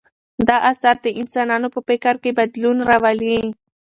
دا اثر د انسانانو په فکر کې بدلون راولي.